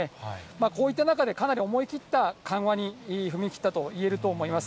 こういった中でかなり思い切った緩和に踏み切ったと言えると思います。